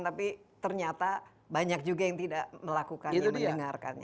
tapi ternyata banyak juga yang tidak melakukannya mendengarkannya